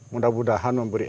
mudah mudahan memberi efek